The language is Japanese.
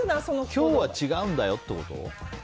今日は違うんだよってこと？